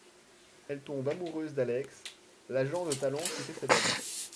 Elle tombe amoureuse d'Alex, l' agent de talent qui fait célèbre.